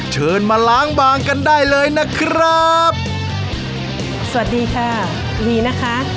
เชิญมาล้างบางกันได้เลยนะครับสวัสดีค่ะวีนะคะ